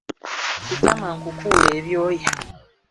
Sitama nkukuule ebyoya.